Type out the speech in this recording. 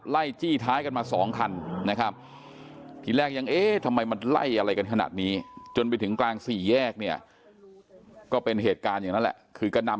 แล้วอีกครั้งนึงก็หนีไปอีกครั้งนึงก็แยกไปอีกทางนึง